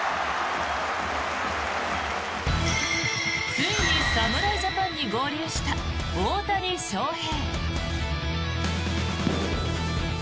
ついに侍ジャパンに合流した大谷翔平。